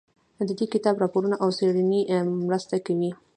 د دې کتاب راپورونه او څېړنې مرسته کوي.